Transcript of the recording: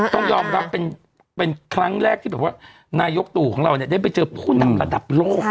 ต้องยอมรับเป็นคลั้งแรกในนายกตู่และวันนี้ไปเจอพวกคุณระดับโลก